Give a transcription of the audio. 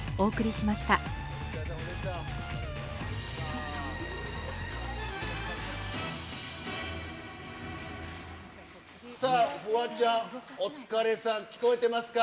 ニトリさあ、フワちゃん、お疲れさん、聞こえてますか？